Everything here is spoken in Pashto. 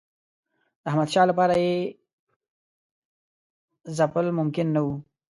د احمدشاه لپاره یې ځپل ممکن نه وو.